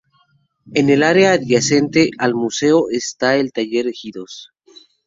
En el área adyacente al museo está en taller de tejidos.